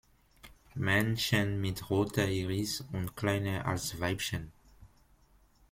Männchen mit roter Iris und kleiner als Weibchen.